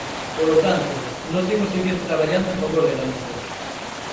Polo tanto, nós imos seguir traballando en favor de Galicia.